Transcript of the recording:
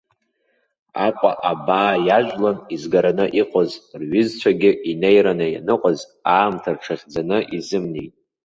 Аҟәа абаа иажәлан изгараны иҟаз рҩызцәагьы инеираны ианыҟаз аамҭа рҽахьӡаны изымнеит.